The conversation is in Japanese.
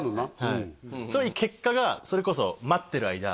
うんそれの結果がそれこそ待ってる間